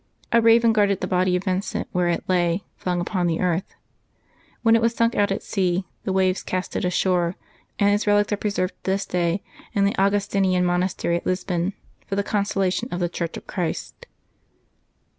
A raven guarded the body of Vincent where it lay flung upon the earth. W^en it was sunk out at sea the waves cast it ashore; and his relics are preserved to this day in January 23] LIVES OF TEE SAINTS 45 the Augustinian monastery at Lisbon, for the consolation of the Church of Christ.